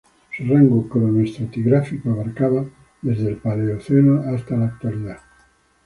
Su rango cronoestratigráfico abarcaba desde el Paleoceno hasta la Actualidad.